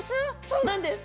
そうなんです。